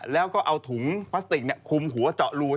แล้วก็เอาถุงพลาสติกคุมหัวเจาะรู